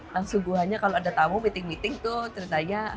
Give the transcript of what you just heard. langsung buahnya kalau ada tamu meeting meeting tuh ceritanya